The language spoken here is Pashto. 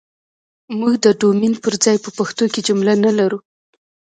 موږ ده ډومين پر ځاى په پښتو کې که جمله نه لرو